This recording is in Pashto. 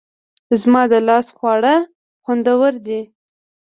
زما د لاس خواړه خوندور دي